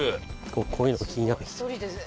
こういうのが気になる。